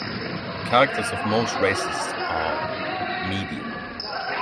Characters of most races are Medium.